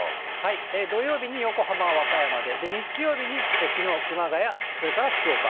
土曜日に横浜、和歌山で、日曜日に、きのう熊谷、それから福岡。